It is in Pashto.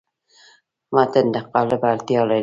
متن د قالب اړتیا لري.